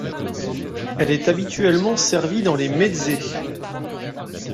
Elle est habituellement servie dans les mezzés.